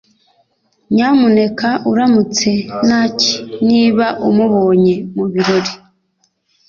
nyamuneka uramutse nancy niba umubonye mubirori